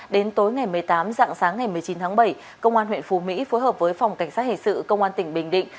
đến tối ngày một mươi tám dạng sáng ngày một mươi chín tháng bảy công an huyện phù mỹ phối hợp với phòng cảnh sát hình sự công an tỉnh bình định